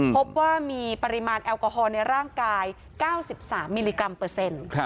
พบว่ามีปริมาณแอลกอฮอลในร่างกาย๙๓มิลลิกรัมเปอร์เซ็นต์